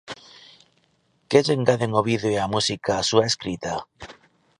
Que lle engaden o vídeo e a música á súa escrita?